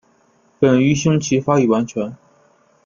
本鱼胸鳍发育完全。